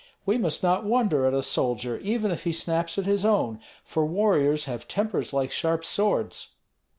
We must not wonder at a soldier, even if he snaps at his own, for warriors have tempers like sharp swords."